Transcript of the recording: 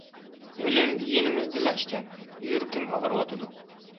ئۆلۈم يېنىمىزدىلا ئىكەن... يۈرىكىم ئاغرىۋاتىدۇ.